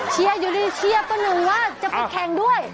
เชียร์อยู่ดีเชียร์ต้อนรุว่าจะไปแข่งด้วย